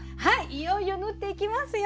いよいよ縫っていきますよ。